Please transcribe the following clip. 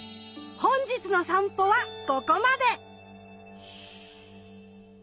本日のさんぽはここまで！